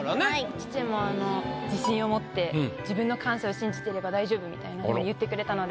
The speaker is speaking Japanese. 父も「自信を持って自分の感性を信じてれば大丈夫」みたいなこと言ってくれたので。